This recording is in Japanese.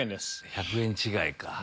１００円違いか。